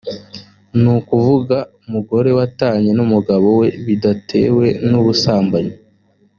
ni ukuvuga umugore watanye n’umugabo we bidatewe n’ubusambanyi